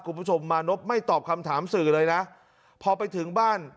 คุณผู้ชมมานพไม่ตอบคำถามสื่อเลยนะพอไปถึงบ้าน